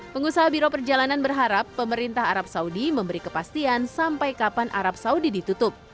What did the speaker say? pengusaha biro perjalanan berharap pemerintah arab saudi memberi kepastian sampai kapan arab saudi ditutup